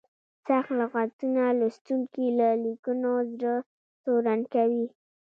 سخت لغتونه لوستونکي له لیکنو زړه تورن کوي.